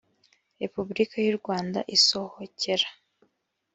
repubulika y u rwanda isohokera